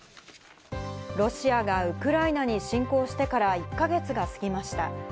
ロシアがウクライナに侵攻してから１か月が過ぎました。